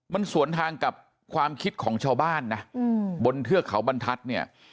มันสวนทางกับความคิดของชาวบ้านนะบนเทือกเขาบรรทัศน์เนี่ย